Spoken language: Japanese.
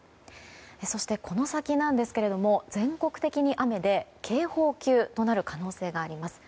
そして、この先ですが全国的に雨で警報級となる可能性があります。